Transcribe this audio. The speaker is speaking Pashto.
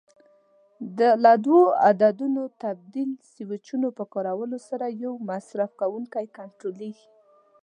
له دوو عددونو تبدیل سویچونو په کارولو سره یو مصرف کوونکی کنټرولېږي.